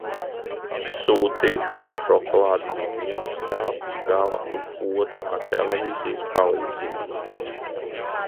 Sūtīšu šokolādi no viena telpas gala uz otru ar televīzijas palīdzību!